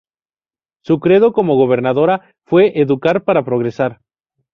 Su credo como gobernadora fue "educar para progresar".